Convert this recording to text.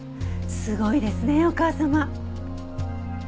すごいですねお母様。